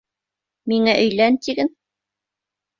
Миңә өйлән, тиген.